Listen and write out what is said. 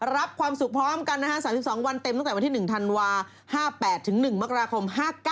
รับความสุขพร้อมกันนะฮะ๓๒วันเต็มตั้งแต่วันที่๑ธันวา๕๘ถึง๑มกราคม๕๙